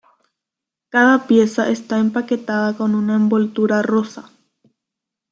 Cada pieza está empaquetada con una envoltura rosa.